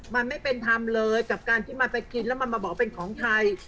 มันไม่เป็นธรรมเลยกับการที่มันไปกินแล้วมันมาบอกเป็นของใคร